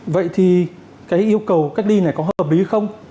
vậy thì cái yêu cầu cách ly này có hợp lý không